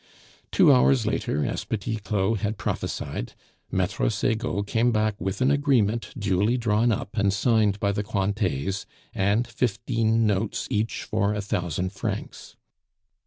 Two hours later, as Petit Claud had prophesied, Maitre Segaud came back with an agreement duly drawn up and signed by the Cointets, and fifteen notes each for a thousand francs.